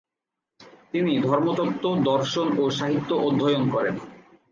তিনি ধর্মতত্ত্ব, দর্শন ও সাহিত্য অধ্যয়ন করেন।